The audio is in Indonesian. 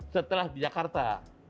setelah di jakarta